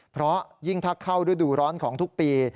เพราะยิ่งถ้าเข้าฤดูร้อนของทุกปี